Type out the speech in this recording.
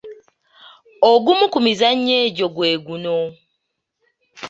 Ogumu ku mizannyo egyo gwe guno.